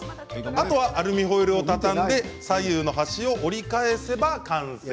あとはアルミホイルを畳んで左右の端を折り返せば完成。